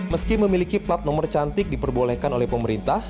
meski memiliki plat nomor cantik diperbolehkan oleh pemerintah